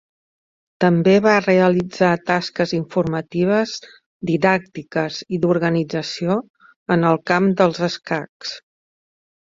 També va realitzar tasques informatives, didàctiques i d'organització en el camp dels escacs.